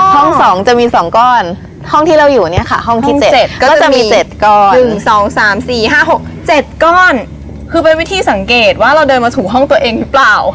๒จะมี๒ก้อนห้องที่เราอยู่เนี่ยค่ะห้องที่๗ก็จะมี๗ก้อน๑๒๓๔๕๖๗ก้อนคือเป็นวิธีสังเกตว่าเราเดินมาสู่ห้องตัวเองหรือเปล่า